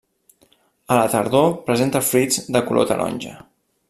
A la tardor presenta fruits de color taronja.